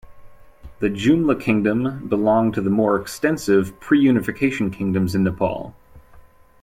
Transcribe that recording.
The Jumla Kingdom belonged to the more extensive pre-unification kingdoms in Nepal.